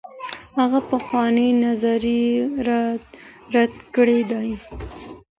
هغه پخوانۍ نظريې رد کړي دي.